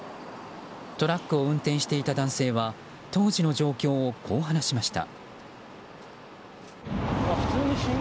トラックを運転していた男性は当時の状況をこう話しました。